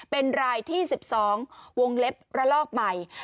เป็นรายที่๑๒วงเล็บระลอกใหม่